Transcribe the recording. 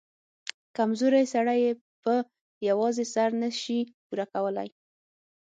کمزورى سړى يې په يوازې سر نه سي پورې کولاى.